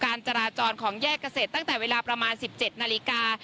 จราจรของแยกเกษตรตั้งแต่เวลาประมาณ๑๗นาฬิกา